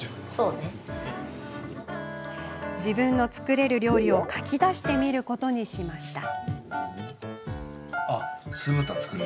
自分の作れる料理を書き出してみることにしました。